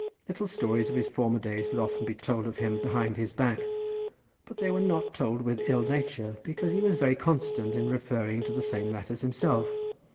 Little stories of his former days would often be told of him behind his back; but they were not told with ill nature, because he was very constant in referring to the same matters himself.